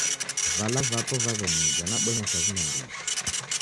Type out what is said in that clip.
Vala vapo vaw'enija nabonya kazi nandighi.